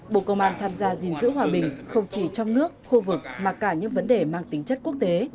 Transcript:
bộ công an tham gia gìn giữ hòa bình không chỉ trong nước khu vực mà cả những vấn đề mang tính chất quốc tế